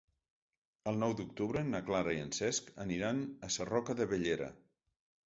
El nou d'octubre na Clara i en Cesc aniran a Sarroca de Bellera.